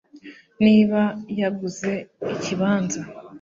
niba yaguze ikibanza